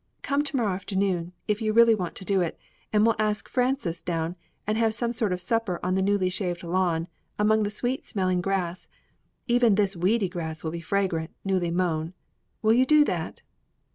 "Come to morrow afternoon, if you really want to do it, and we'll ask Frances down, and have some sort of supper on the newly shaved lawn, among the sweet smelling grass even this weedy grass will be fragrant, newly mown. Will you do that?"